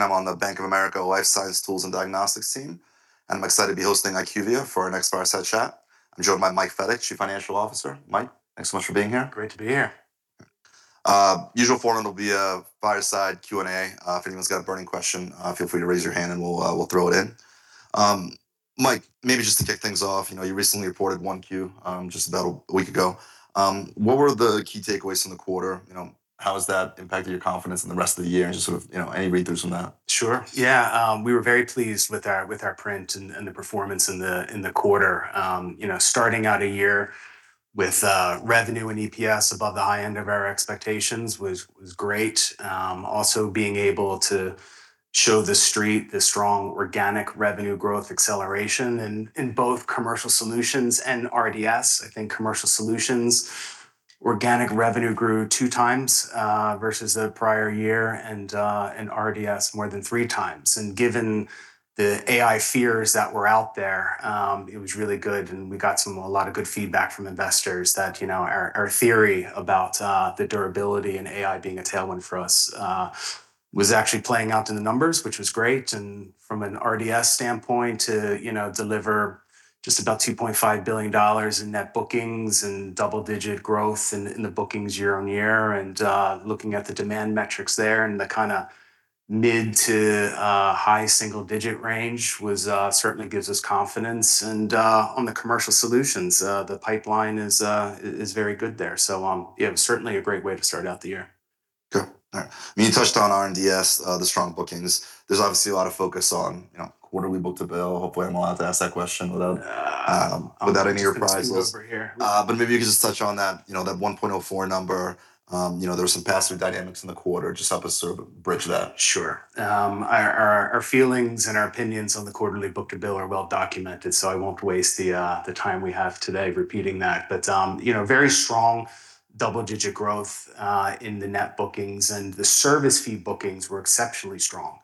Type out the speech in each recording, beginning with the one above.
I'm on the Bank of America Life Science Tools and Diagnostics team, and I'm excited to be hosting IQVIA for our next Fireside Chat. I'm joined by Michael Fedock, Chief Financial Officer. Mike, thanks so much for being here. Great to be here. Usual format will be a fireside Q&A. If anyone's got a burning question, feel free to raise your hand and we'll throw it in. Mike, maybe just to kick things off, you know, you recently reported 1Q, just about a week ago. What were the key takeaways from the quarter? You know, how has that impacted your confidence in the rest of the year? Just sort of, you know, any read throughs on that. Sure, yeah. We were very pleased with our, with our print and the performance in the, in the quarter. You know, starting out a year with revenue and EPS above the high end of our expectations was great. Also being able to show the street the strong organic revenue growth acceleration in both commercial solutions and RDS. I think commercial solutions organic revenue grew 2x versus the prior year, and RDS more than 3x. Given the AI fears that were out there, it was really good, and we got a lot of good feedback from investors that, you know, our theory about the durability and AI being a tailwind for us was actually playing out in the numbers, which was great. From an RDS standpoint to, you know, deliver just about $2.5 billion in net bookings and double-digit growth in the bookings year-on-year. Looking at the demand metrics there and the kind of mid-to-high single-digit range certainly gives us confidence. On the commercial solutions, the pipeline is very good there. Yeah, certainly a great way to start out the year. Cool. All right. I mean, you touched on R&DS, the strong bookings. There's obviously a lot of focus on, you know, quarterly book-to-bill. Yeah. Without any surprises. I'm gonna squeeze it over here. Maybe you could just touch on that, you know, that 1.04 number. You know, there were some pass-through dynamics in the quarter. Just help us sort of bridge that. Sure. Our feelings and our opinions on the quarterly book-to-bill are well documented, so I won't waste the time we have today repeating that. You know, very strong double-digit growth in the net bookings and the service fee bookings were exceptionally strong,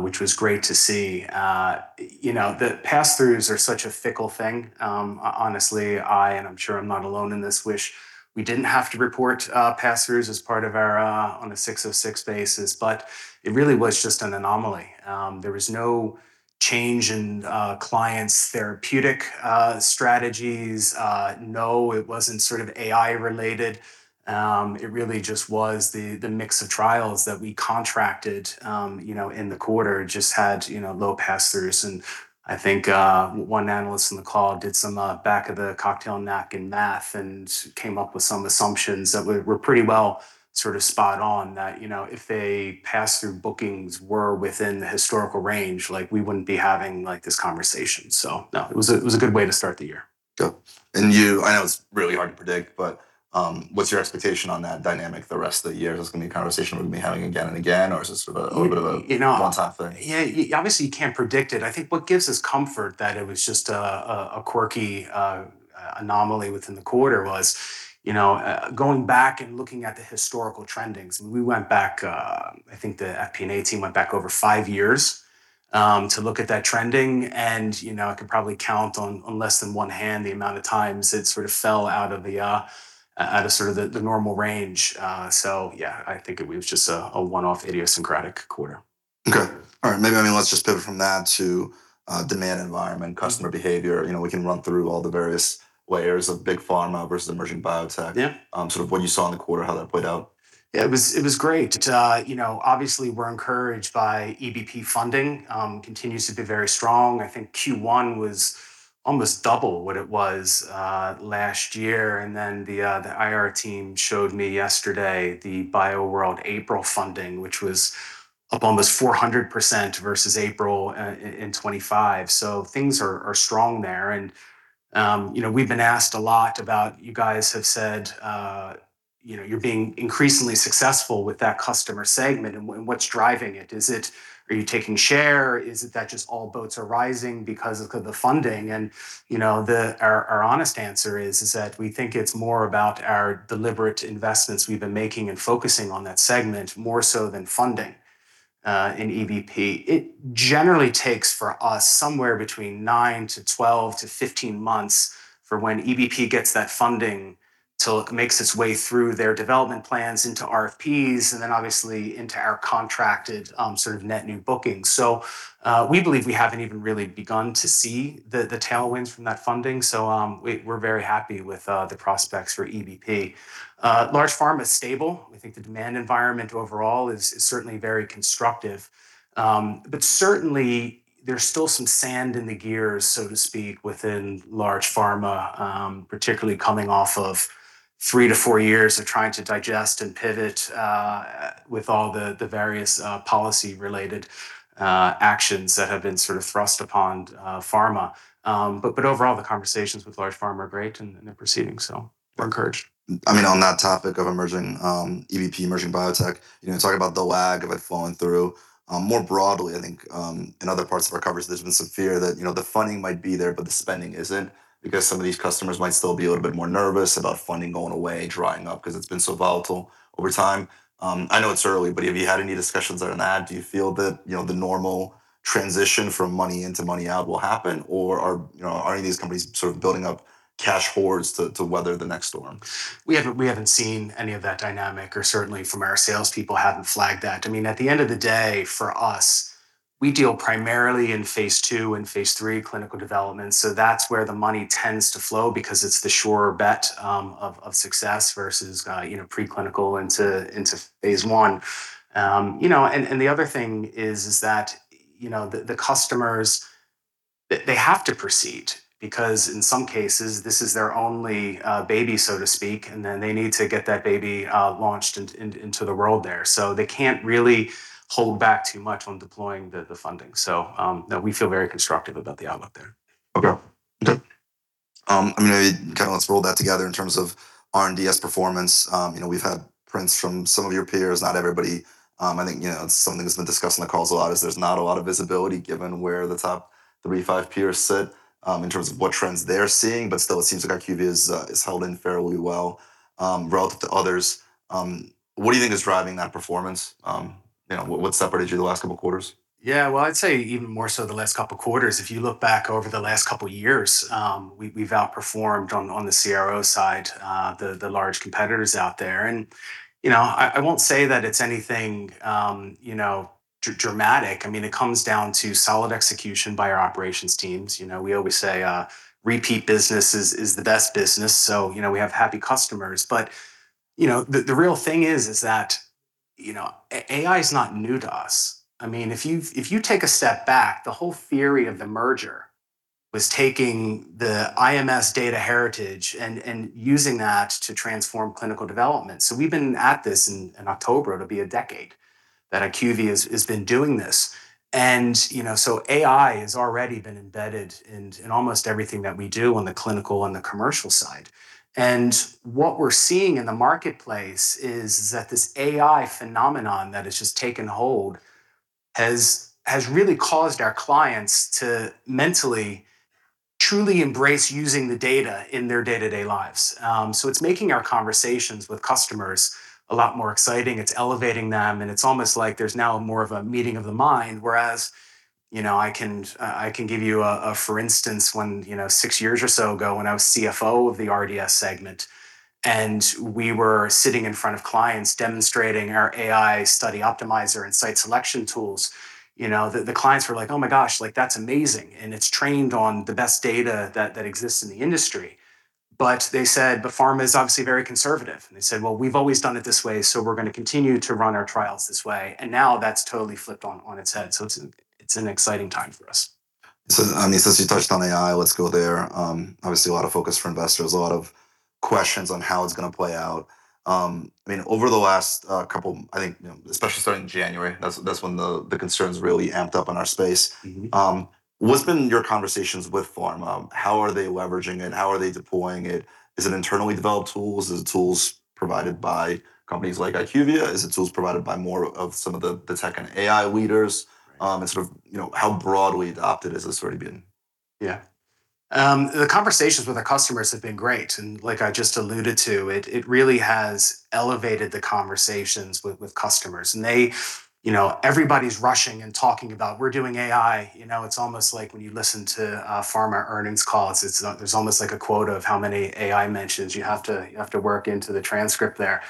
which was great to see. You know, the pass-throughs are such a fickle thing. Honestly, I, and I'm sure I'm not alone in this, wish we didn't have to report pass-throughs as part of our on a 606 basis, but it really was just an anomaly. There was no change in clients' therapeutic strategies. No, it wasn't sort of AI related. It really just was the mix of trials that we contracted, you know, in the quarter just had, you know, low pass-throughs. I think one analyst on the call did some back of the cocktail napkin math and came up with some assumptions that were pretty well sort of spot on that, you know, if a pass-through bookings were within the historical range, like, we wouldn't be having, like, this conversation. No, it was a good way to start the year. Cool. I know it's really hard to predict, but what's your expectation on that dynamic the rest of the year? Is this gonna be a conversation we'll be having again and again, or is this sort of a little bit of a one-off thing? You know, yeah, obviously you can't predict it. I think what gives us comfort that it was just a quirky anomaly within the quarter was, you know, going back and looking at the historical trendings, and we went back, I think the FP&A team went back over five years to look at that trending and, you know, I could probably count on less than one hand the amount of times it sort of fell out of the normal range. Yeah, I think it was just a one-off idiosyncratic quarter. Okay. All right. Maybe, I mean, let's just pivot from that to demand environment, customer behavior. You know, we can run through all the various layers of big pharma versus emerging biotech. Yeah. Sort of what you saw in the quarter, how that played out. Yeah, it was great. You know, obviously we're encouraged by EBP funding continues to be very strong. I think Q1 was almost double what it was last year. The IR team showed me yesterday the BioWorld April funding, which was up almost 400% versus April in 2025. Things are strong there. You know, we've been asked a lot about, you guys have said, you know, you're being increasingly successful with that customer segment and what's driving it. Are you taking share? Is it that just all boats are rising because of the funding? You know, our honest answer is that we think it's more about our deliberate investments we've been making and focusing on that segment more so than funding in EBP. It generally takes for us somewhere between nine to 12 to 15 months for when EBP gets that funding till it makes its way through their development plans into RFPs and then obviously into our contracted, sort of net new bookings. We believe we haven't even really begun to see the tailwinds from that funding. We're very happy with the prospects for EBP. Large pharma is stable. We think the demand environment overall is certainly very constructive. But certainly there's still some sand in the gears, so to speak, within large pharma, particularly coming off of three to four years of trying to digest and pivot, with all the various policy related actions that have been sort of thrust upon pharma. Overall the conversations with large pharma are great and they're proceeding, so we're encouraged. I mean, on that topic of emerging, EBP, emerging biotech, you know, talking about the lag of it flowing through, more broadly, I think, in other parts of our coverage there's been some fear that, you know, the funding might be there, but the spending isn't because some of these customers might still be a little bit more nervous about funding going away, drying up 'cause it's been so volatile over time. I know it's early, but have you had any discussions on that? Do you feel that, you know, the normal transition from money into money out will happen? Or are, you know, are any of these companies sort of building cash hoards to weather the next storm? We haven't seen any of that dynamic or certainly from our salespeople haven't flagged that. I mean, at the end of the day, for us, we deal primarily in phase II and phase III clinical development, so that's where the money tends to flow because it's the surer bet of success versus, you know, preclinical into phase I. You know, and the other thing is that, you know, the customers, they have to proceed because in some cases this is their only baby, so to speak, then they need to get that baby launched into the world there. They can't really hold back too much on deploying the funding. No, we feel very constructive about the outlook there. Okay. Okay. I mean, kind of let's roll that together in terms of R&DS performance. You know, we've had prints from some of your peers, not everybody. I think, you know, it's something that's been discussed on the calls a lot is there's not a lot of visibility given where the top three, five peers sit, in terms of what trends they're seeing, but still it seems like IQVIA is holding fairly well, relative to others. What do you think is driving that performance? You know, what separated you the last couple of quarters? Well, I'd say even more so the last couple of quarters, if you look back over the last couple of years, we've outperformed on the CRO side, the large competitors out there. You know, I won't say that it's anything, you know, dramatic. I mean, it comes down to solid execution by our operations teams. You know, we always say, repeat business is the best business, so, you know, we have happy customers. You know, the real thing is that, you know, AI is not new to us. I mean, if you take a step back, the whole theory of the merger was taking the IMS data heritage and using that to transform clinical development. We've been at this, in October, it'll be a decade that IQVIA has been doing this. You know, AI has already been embedded in almost everything that we do on the clinical and the commercial side. What we're seeing in the marketplace is that this AI phenomenon that has just taken hold has really caused our clients to mentally truly embrace using the data in their day-to-day lives. It's making our conversations with customers a lot more exciting. It's elevating them, and it's almost like there's now more of a meeting of the mind. I can give you a for instance, when, you know, six years or so ago when I was CFO of the RDS segment and we were sitting in front of clients demonstrating our AI StudyOptimizer and site selection tools, you know, the clients were like, "Oh my gosh, like, that's amazing, and it's trained on the best data that exists in the industry." They said, "But pharma is obviously very conservative." They said, "Well, we've always done it this way, so we're gonna continue to run our trials this way." Now that's totally flipped on its head. It's an exciting time for us. I mean, since you touched on AI, let's go there. Obviously a lot of focus for investors, a lot of questions on how it's gonna play out. I mean, over the last couple, I think, you know, especially starting January, that's when the concerns really amped up in our space. What's been your conversations with pharma? How are they leveraging it? How are they deploying it? Is it internally developed tools? Is it tools provided by companies like IQVIA? Is it tools provided by more of some of the tech and AI leaders? Sort of, you know, how broadly adopted has this already been? Yeah. Like I just alluded to, it really has elevated the conversations with customers. They, you know, everybody's rushing and talking about, "We're doing AI." You know, it's almost like when you listen to pharma earnings calls, there's almost like a quota of how many AI mentions you have to work into the transcript there.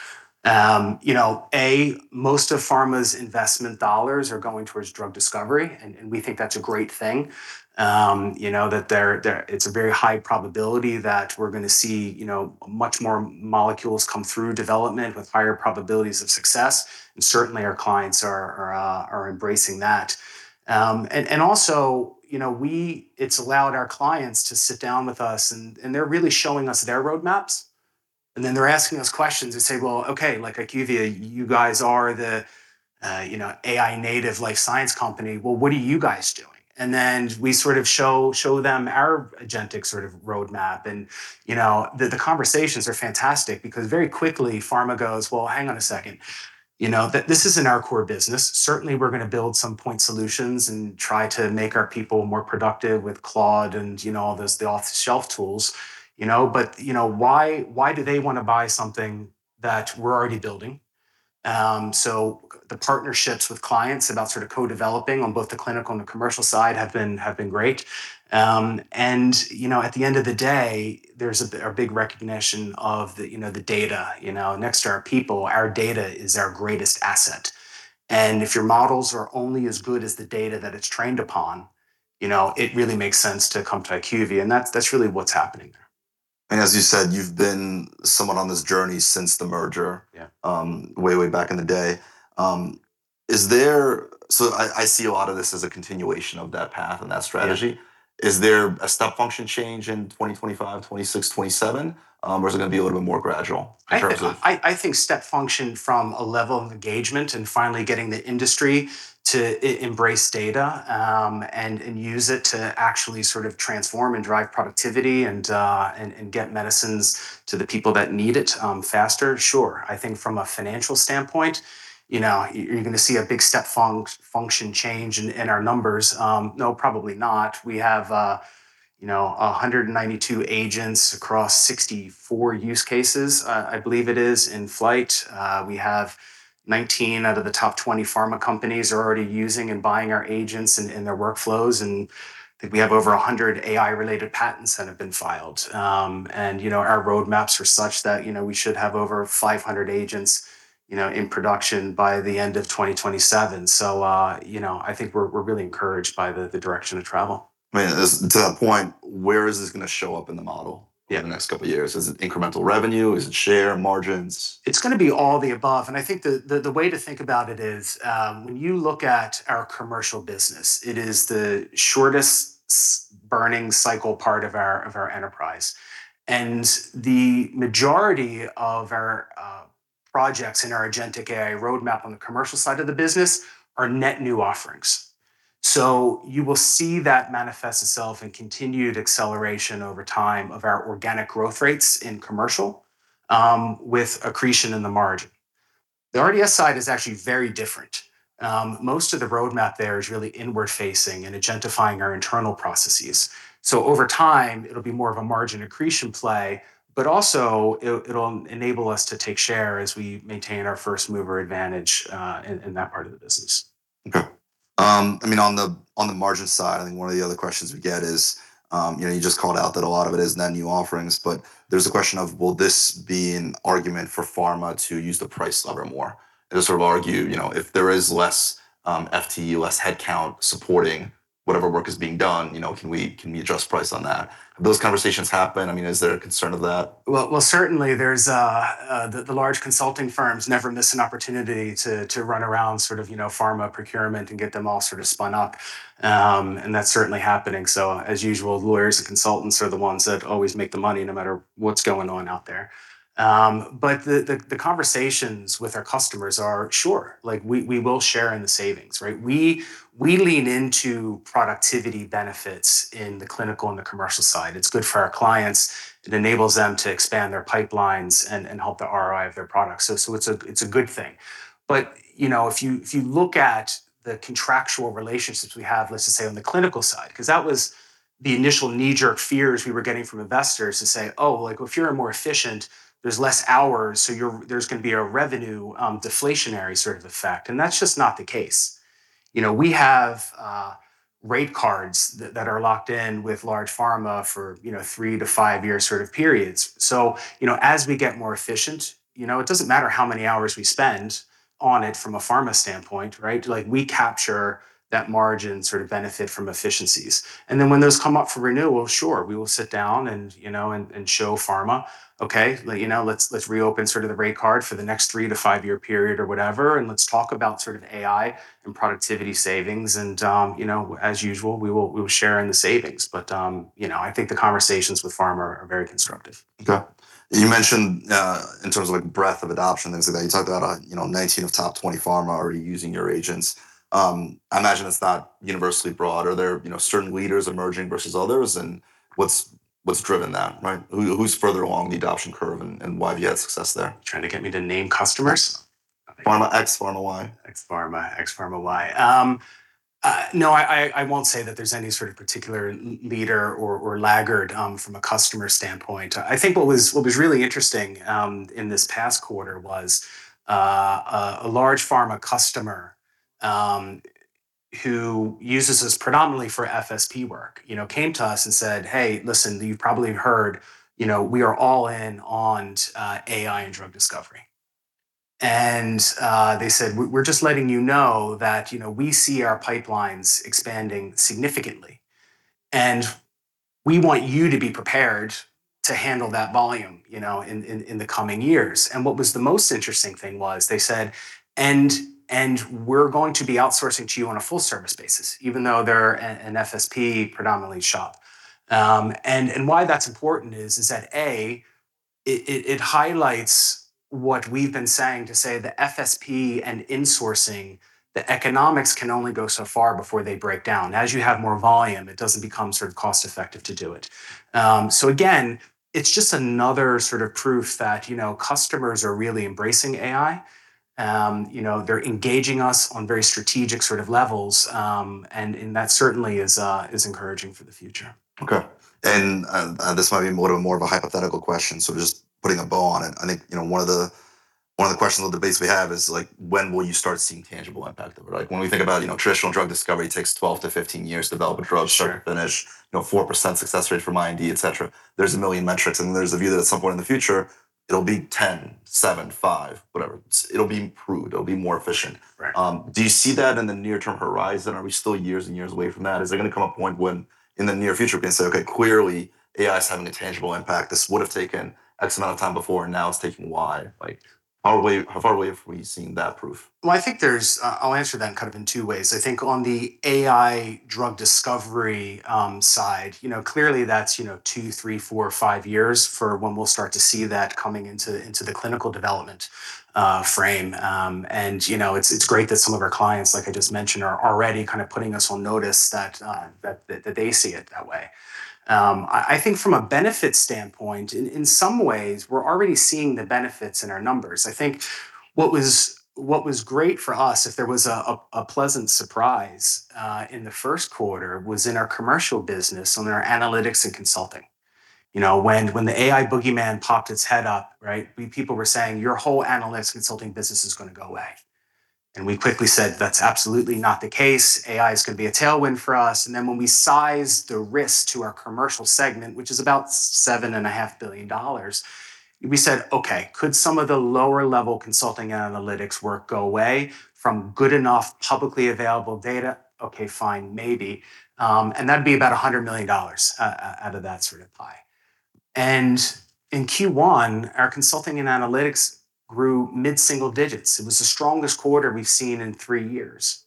You know, A, most of pharma's investment dollars are going towards drug discovery. We think that's a great thing. You know, that it's a very high probability that we're gonna see, you know, much more molecules come through development with higher probabilities of success. Certainly our clients are embracing that. Also, you know, it's allowed our clients to sit down with us and they're really showing us their roadmaps. Then they're asking us questions and say, "Well, okay, like IQVIA, you guys are the, you know, AI native life science company. Well, what are you guys doing?" Then we sort of show them our agentic sort of roadmap and, you know, the conversations are fantastic because very quickly pharma goes, "Well, hang on a second. You know, this isn't our core business. Certainly, we're gonna build some point solutions and try to make our people more productive with Claude and, you know, all those, the off-the-shelf tools." You know, why do they wanna buy something that we're already building? The partnerships with clients about sort of co-developing on both the clinical and the commercial side have been great. You know, at the end of the day, there's a big recognition of the data. You know, next to our people, our data is our greatest asset, and if your models are only as good as the data that it's trained upon, you know, it really makes sense to come to IQVIA, and that's really what's happening there. As you said, you've been somewhat on this journey since the merger. Yeah. Way back in the day. I see a lot of this as a continuation of that path and that strategy. Yeah. Is there a step function change in 2025, 2026, 2027, or is it gonna be a little bit more gradual? I think step function from a level of engagement and finally getting the industry to embrace data, and use it to actually sort of transform and drive productivity and get medicines to the people that need it faster, sure. I think from a financial standpoint, you know, you're gonna see a big step function change in our numbers. No, probably not. We have, you know, 192 agents across 64 use cases, I believe it is, in flight. We have 19 out of the top 20 pharma companies are already using and buying our agents in their workflows. I think we have over 100 AI-related patents that have been filed. You know, our roadmaps are such that, you know, we should have over 500 agents, you know, in production by the end of 2027. I think we're really encouraged by the direction of travel. I mean, as to that point, where is this gonna show up in the model here in the next couple years? Is it incremental revenue? Is it share? Margins? It's gonna be all the above. I think the way to think about it is, when you look at our commercial business, it is the shortest burning cycle part of our enterprise. The majority of our projects in our agentic AI roadmap on the commercial side of the business are net new offerings. You will see that manifest itself in continued acceleration over time of our organic growth rates in commercial, with accretion in the margin. The RDS side is actually very different. Most of the roadmap there is really inward facing and agentifying our internal processes. Over time it'll be more of a margin accretion play, but also it'll enable us to take share as we maintain our first mover advantage in that part of the business. Okay. I mean, on the, on the margin side, I think one of the other questions we get is, you know, you just called out that a lot of it is net new offerings, but there's a question of will this be an argument for pharma to use the price lever more, and to sort of argue, you know, if there is less, FTE, less head count supporting whatever work is being done, you know, can we adjust price on that? Have those conversations happened? I mean, is there a concern of that? Well, certainly there's the large consulting firms never miss an opportunity to run around sort of, you know, pharma procurement and get them all sort of spun up. That's certainly happening. As usual, lawyers and consultants are the ones that always make the money no matter what's going on out there. The conversations with our customers are, sure, like we will share in the savings, right? We lean into productivity benefits in the clinical and the commercial side. It's good for our clients. It enables them to expand their pipelines and help the ROI of their products. It's a good thing. You know, if you look at the contractual relationships we have, let's just say on the clinical side, 'cause that was the initial knee-jerk fears we were getting from investors to say, "Oh, like if you're more efficient, there's less hours, so you're, there's gonna be a revenue, deflationary sort of effect." That's just not the case. You know, we have rate cards that are locked in with large pharma for, you know, three to five year sort of periods. You know, as we get more efficient, you know, it doesn't matter how many hours we spend on it from a pharma standpoint, right? Like we capture that margin sort of benefit from efficiencies, then when those come up for renewal, sure, we will sit down and, you know, and show pharma, okay, let you know, let's reopen sort of the rate card for the next three to five year period or whatever, and let's talk about sort of AI and productivity savings and, you know, as usual, we will, we'll share in the savings. You know, I think the conversations with pharma are very constructive. Okay. You mentioned, in terms of like breadth of adoption, things like that, you talked about, you know, 19 of top 20 pharma already using your agents. I imagine it's not universally broad. Are there, you know, certain leaders emerging versus others? What's driven that, right? Who's further along the adoption curve and why have you had success there? Trying to get me to name customers? Pharma X, pharma Y. X pharma, X pharma Y. No, I won't say that there's any sort of particular leader or laggard, from a customer standpoint. I think what was, what was really interesting, in this past quarter was a large pharma customer, who uses us predominantly for FSP work, you know, came to us and said, "Hey, listen, you've probably heard, you know, we are all in on AI and drug discovery." They said, "We're just letting you know that, you know, we see our pipelines expanding significantly, and we want you to be prepared to handle that volume, you know, in the coming years." What was the most interesting thing was they said, "And we're going to be outsourcing to you on a full service basis," even though they're an FSP predominantly shop. Why that's important is that, A, it highlights what we've been saying to say the FSP and insourcing, the economics can only go so far before they break down. As you have more volume, it doesn't become sort of cost-effective to do it. Again, it's just another sort of proof that, you know, customers are really embracing AI. You know, they're engaging us on very strategic sort of levels. That certainly is encouraging for the future. Okay. This might be more of a hypothetical question, so just putting a bow on it. I think, you know, one of the questions or debates we have is like, when will you start seeing tangible impact of it? Like when we think about, you know, traditional drug discovery takes 12-15 years to develop a drug. Sure. to finish, you know, 4% success rate for IND, et cetera. There's a million metrics, there's a view that at some point in the future it'll be 10, seven, five, whatever. It'll be improved, it'll be more efficient. Right. Do you see that in the near term horizon? Are we still years and years away from that? Is there going to come a point when in the near future we can say, "Okay, clearly AI is having a tangible impact. This would have taken X amount of time before, and now it is taking Y"? Like how far away have we seen that proof? Well, I think there's I'll answer that kind of in two ways. I think on the AI drug discovery side, you know, clearly that's, you know, two, three, four, five years for when we'll start to see that coming into the clinical development frame. You know, it's great that some of our clients, like I just mentioned, are already kind of putting us on notice that they see it that way. I think from a benefit standpoint, in some ways we're already seeing the benefits in our numbers. I think what was great for us, if there was a pleasant surprise, in the first quarter, was in our commercial business on our analytics and consulting. You know, when the AI boogeyman popped its head up, right, people were saying, "Your whole analytics consulting business is gonna go away." And we quickly said, "That's absolutely not the case. AI is gonna be a tailwind for us." Then when we sized the risk to our commercial segment, which is about $7.5 billion, we said, "Okay, could some of the lower level consulting and analytics work go away from good enough publicly available data? Okay, fine. Maybe." That'd be about $100 million out of that sort of pie. In Q1, our consulting and analytics grew mid-single digits. It was the strongest quarter we've seen in three years,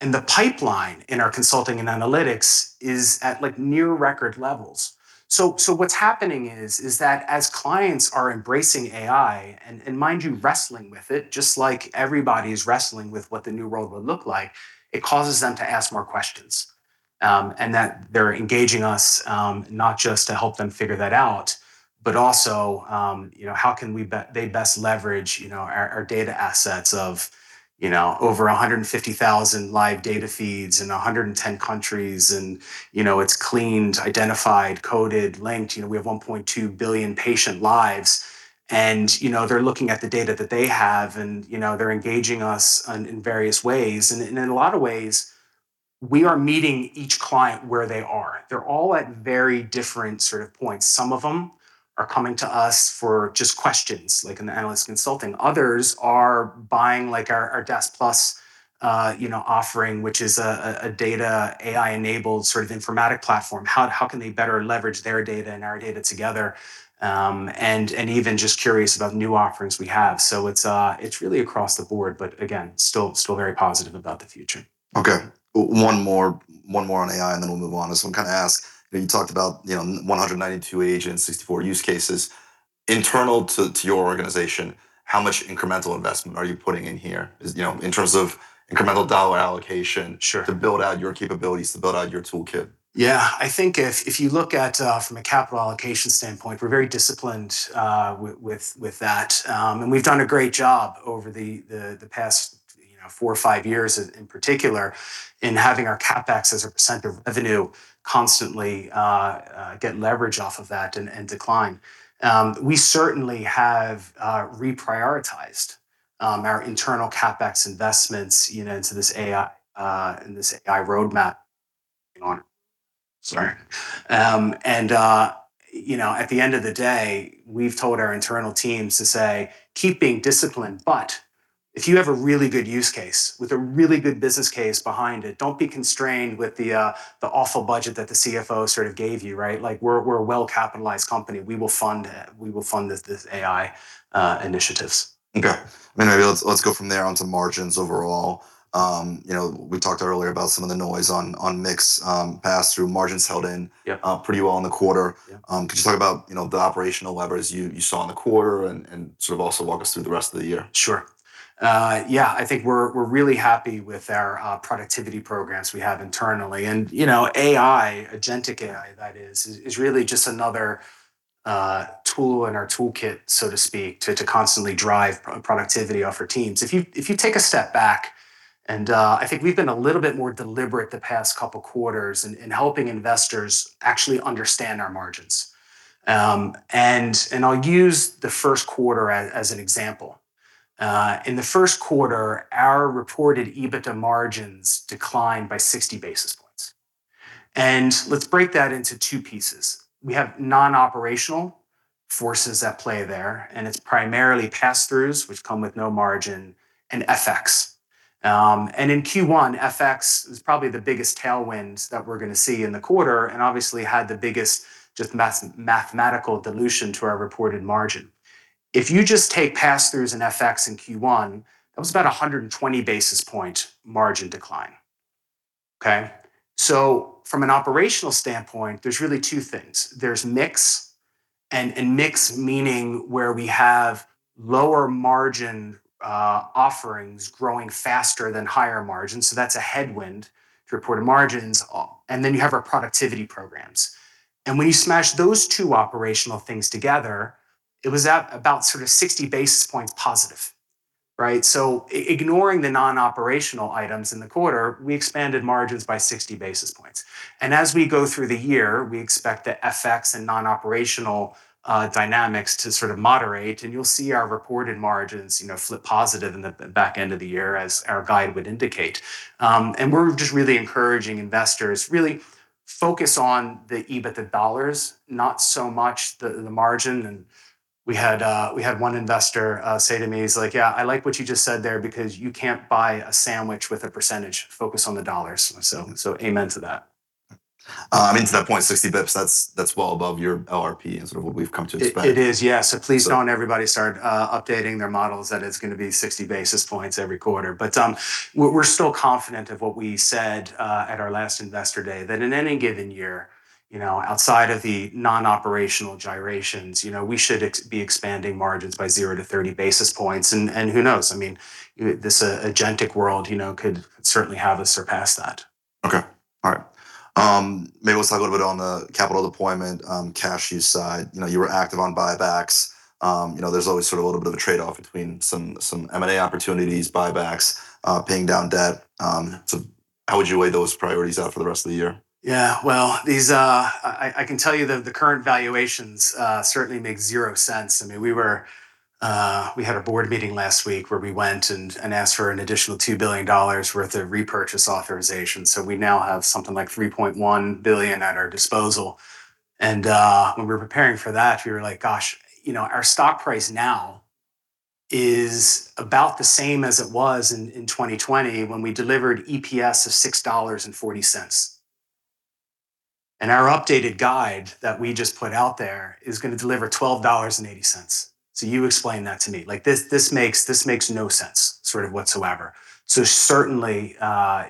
the pipeline in our consulting and analytics is at, like, near record levels. What's happening is that as clients are embracing AI, and mind you wrestling with it just like everybody's wrestling with what the new world would look like, it causes them to ask more questions. They're engaging us, not just to help them figure that out, but also, you know, how can they best leverage, you know, our data assets of, you know, over 150,000 live data feeds in 110 countries and, you know, it's cleaned, identified, coded, linked. You know, we have 1.2 billion patient lives and, you know, they're looking at the data that they have, and, you know, they're engaging us in various ways. In a lot of ways, we are meeting each client where they are. They're all at very different sort of points. Some of them are coming to us for just questions like an analyst consulting. Others are buying, like, our Deskplus, you know, offering, which is a data AI-enabled sort of informatic platform. How can they better leverage their data and our data together, and even just curious about new offerings we have. It's really across the board but again, still very positive about the future. Okay. One more, one more on AI. Then we'll move on. Just want to kind of ask, you know, you talked about, you know, 192 agents, 64 use cases. Internal to your organization, how much incremental investment are you putting in here? Is, you know, in terms of incremental dollar allocation? Sure. To build out your capabilities, to build out your toolkit. Yeah. I think if you look at from a capital allocation standpoint, we're very disciplined with that, and we've done a great job over the past, you know, four or five years in particular in having our CapEx as a percent of revenue constantly get leverage off of that and decline. We certainly have reprioritized our internal CapEx investments, you know, into this AI and this AI roadmap on Sorry. You know, at the end of the day, we've told our internal teams to say, "Keep being disciplined, but if you have a really good use case with a really good business case behind it, don't be constrained with the awful budget that the CFO sort of gave you." Right? Like, we're a well-capitalized company. We will fund this AI initiatives. Okay. Maybe let's go from there onto margins overall. You know, we talked earlier about some of the noise on mix, pass-through margins held in. Yeah. Pretty well in the quarter. Yeah. Could you talk about, you know, the operational levers you saw in the quarter and sort of also walk us through the rest of the year? Sure. Yeah. I think we're really happy with our productivity programs we have internally, and, you know, AI, agentic AI that is really just another tool in our toolkit, so to speak, to constantly drive productivity of our teams. If you take a step back and I think we've been a little bit more deliberate the past couple quarters in helping investors actually understand our margins. I'll use the first quarter as an example. In the first quarter, our reported EBITDA margins declined by 60 basis points, and let's break that into two pieces. We have non-operational forces at play there, and it's primarily pass-throughs, which come with no margin, and FX. In Q1, FX was probably the biggest tailwind that we're gonna see in the quarter, and obviously had the biggest mathematical dilution to our reported margin. If you just take pass-throughs and FX in Q1, that was about 120 basis point margin decline. Okay. From an operational standpoint, there's really two things. There's mix, and mix meaning where we have lower margin offerings growing faster than higher margins, so that's a headwind to reported margins. Then you have our productivity programs, and when you smash those two operational things together, it was at about sort of 60 basis points positive, right. Ignoring the non-operational items in the quarter, we expanded margins by 60 basis points, as we go through the year, we expect the FX and non-operational dynamics to sort of moderate, and you'll see our reported margins, you know, flip positive in the back end of the year, as our guide would indicate. We're just really encouraging investors really focus on the EBITDA dollars, not so much the margin. We had one investor say to me, he's like, "Yeah, I like what you just said there because you can't buy a sandwich with a percentage. Focus on the dollars." Amen to that. I mean, to that point, 60 basis points, that's well above your LRP and sort of what we've come to expect. It is, yeah. So- Please don't everybody start updating their models that it's gonna be 60 basis points every quarter. We're still confident of what we said at our last investor day that in any given year, you know, outside of the non-operational gyrations, you know, we should be expanding margins by 0 to 30 basis points, and who knows? I mean, you, this, agentic world, you know, could certainly have us surpass that. Okay. All right. Maybe let's talk a little bit on the capital deployment, cash use side. You know, you were active on buybacks. You know, there's always sort of a little bit of a trade-off between some M&A opportunities, buybacks, paying down debt. How would you weigh those priorities out for the rest of the year? Well, these, I can tell you the current valuations certainly make zero sense. I mean, we had a board meeting last week where we went and asked for an additional $2 billion worth of repurchase authorization, so we now have something like $3.1 billion at our disposal. When we were preparing for that, we were like, "Gosh, you know, our stock price now is about the same as it was in 2020 when we delivered EPS of $6.40. Our updated guide that we just put out there is gonna deliver $12.80. So you explain that to me." Like, this makes no sense sort of whatsoever. Certainly,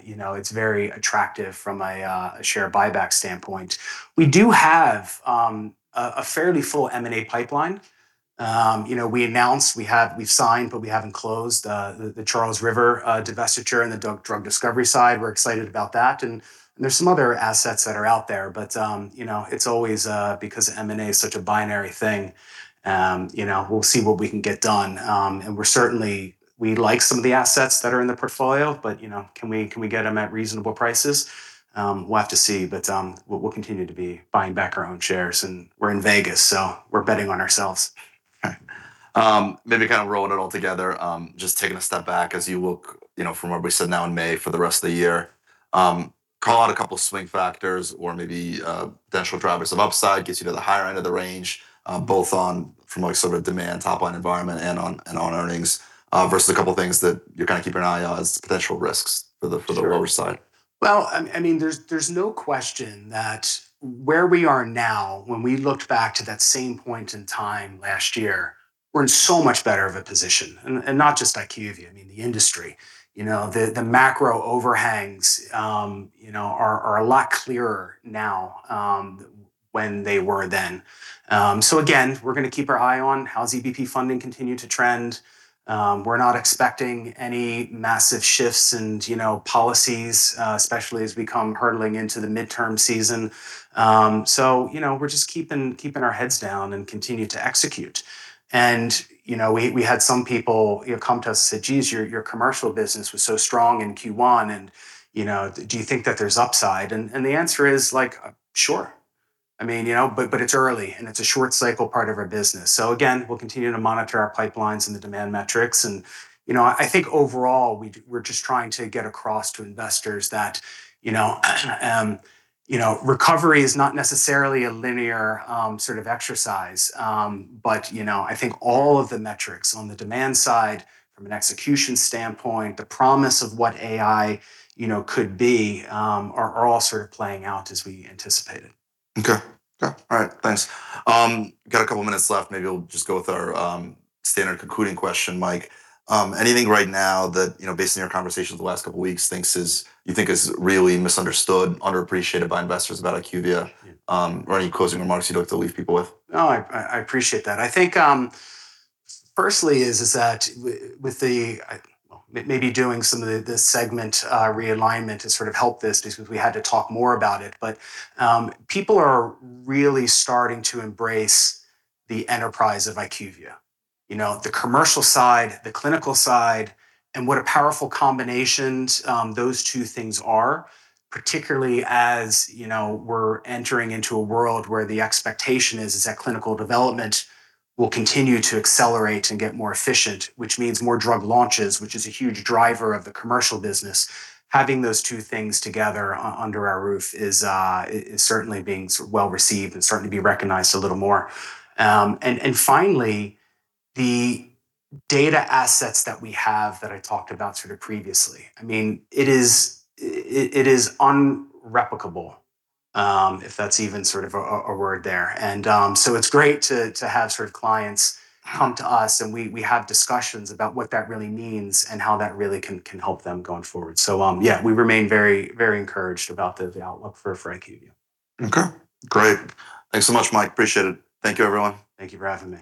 you know, it's very attractive from a share buyback standpoint. We do have a fairly full M&A pipeline. You know, we announced, We've signed, but we haven't closed, the Charles River divestiture in the drug discovery side. We're excited about that, and there's some other assets that are out there. You know, it's always, because M&A is such a binary thing, you know, we'll see what we can get done. We certainly like some of the assets that are in the portfolio but, you know, can we get them at reasonable prices? We'll have to see. We'll continue to be buying back our own shares. We're in Vegas, so we're betting on ourselves. Maybe kind of rolling it all together, just taking a step back as you look, you know, from where we sit now in May for the rest of the year, call out a couple swing factors or maybe potential drivers of upside gets you to the higher end of the range, both on from like sort of a demand top-line environment and on, and on earnings, versus a couple things that you're kinda keeping an eye on as potential risks. Sure for the lower side. Well, I mean, there's no question that where we are now when we look back to that same point in time last year, we're in so much better of a position, and not just IQVIA, I mean the industry. You know, the macro overhangs, you know, are a lot clearer now when they were then. Again, we're gonna keep our eye on how EBP funding continue to trend. We're not expecting any massive shifts in you know, policies, especially as we come hurdling into the midterm season. You know, we're just keeping our heads down and continue to execute. You know, we had some people, you know, come to us and said, "Geez, your commercial business was so strong in Q1 and, you know, do you think that there's upside?" The answer is, like, "Sure." I mean, you know? It's early, and it's a short cycle part of our business. Again, we'll continue to monitor our pipelines and the demand metrics and, you know, I think overall we're just trying to get across to investors that, you know, you know, recovery is not necessarily a linear, sort of exercise. You know, I think all of the metrics on the demand side from an execution standpoint, the promise of what AI, you know, could be, are all sort of playing out as we anticipated. Okay. Yeah. All right. Thanks. Got a couple of minutes left. Maybe I'll just go with our standard concluding question, Mike. Anything right now that, you know, based on your conversations the last couple of weeks, you think is really misunderstood, underappreciated by investors about IQVIA? Any closing remarks you'd like to leave people with? No, I appreciate that. I think, firstly is that with the, well, maybe doing some of the segment realignment has sort of helped this because we had to talk more about it. People are really starting to embrace the enterprise of IQVIA. You know, the commercial side, the clinical side, and what a powerful combinations those two things are, particularly as, you know, we're entering into a world where the expectation is that clinical development will continue to accelerate and get more efficient, which means more drug launches, which is a huge driver of the commercial business. Having those two things together under our roof is certainly being sort of well received and starting to be recognized a little more. Finally, the data assets that we have that I talked about sort of previously. I mean, it is unreplicable, if that's even sort of a word there. It's great to have sort of clients come to us, and we have discussions about what that really means and how that really can help them going forward. Yeah, we remain very encouraged about the outlook for IQVIA. Okay. Great. Thanks so much, Mike. Appreciate it. Thank you, everyone. Thank you for having me.